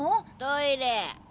トイレ。